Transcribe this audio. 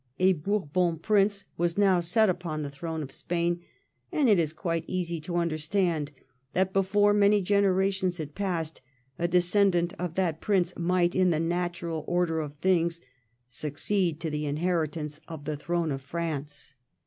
A Bourbon Prince was now set upon the throne of Spain, and it is quite easy to understand that before many generations had passed a descendant of that Prince might, in the natural order of things, succeed to the inheritance of the throne of France.